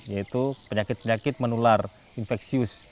yaitu penyakit penyakit menular infeksius